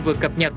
vừa cập nhật